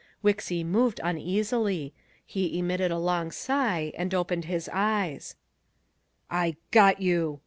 Wixy moved uneasily. He emitted a long sigh and opened his eyes. "I got you!"